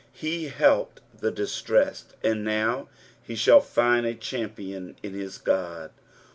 He helped the distressed, nnd now he shall find » champion in his Ood.